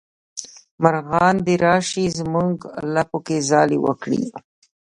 مارغان دې راشي زمونږ لپو کې ځالې وکړي